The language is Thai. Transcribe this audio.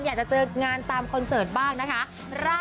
อยากจะเจองานตามคอนเสิร์ตบ้างนะคะ